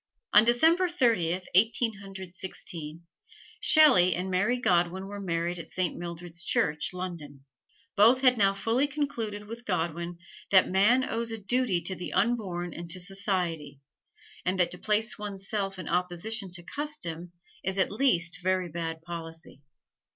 On December Thirtieth, Eighteen Hundred Sixteen, Shelley and Mary Godwin were married at Saint Mildred's Church, London. Both had now fully concluded with Godwin that man owes a duty to the unborn and to society, and that to place one's self in opposition to custom is at least very bad policy.